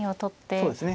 そうですね。